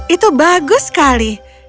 itu bagus sekali